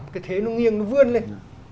cái thế nó nghiêng nó vươn lên